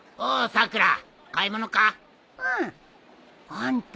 あんた